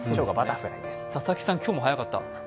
佐々木さん、今日も早かった。